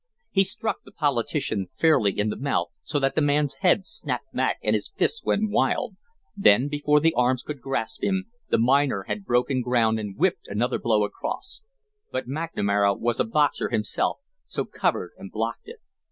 He struck the politician fairly in the mouth so that the man's head snapped back and his fists went wild, then, before the arms could grasp him, the miner had broken ground and whipped another blow across; but McNamara was a boxer himself, so covered and blocked it.